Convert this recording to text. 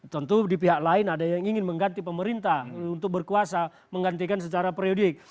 tentu di pihak lain ada yang ingin mengganti pemerintah untuk berkuasa menggantikan secara periodik